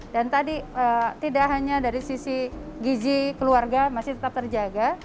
dan tadi tidak hanya dari sisi gizi keluarga masih tetap terjaga